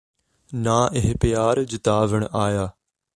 ਨਾ ਇਹ ਪਿਆਰ ਜਿਤਾਵਣ ਆਇਆ